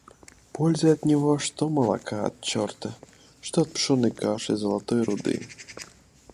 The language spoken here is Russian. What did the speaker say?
Пользы от него, что молока от черта, что от пшенной каши — золотой руды.